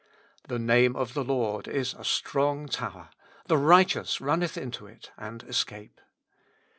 " The Name of the Lord is a strong tower ; the righteous runneth into it and escape."